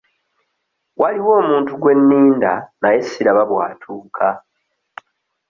Waliwo omuntu gwe nninda naye siraba bw'atuuka.